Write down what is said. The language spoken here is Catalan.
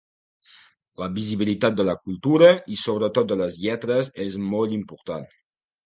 La visibilitat de la cultura i sobretot de les lletres és molt important.